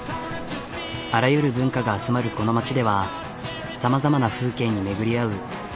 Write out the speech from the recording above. あらゆる文化が集まるこの街ではさまざまな風景に巡り合う。